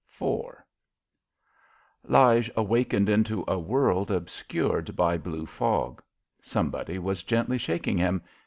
IV Lige awakened into a world obscured by blue fog. Somebody was gently shaking him.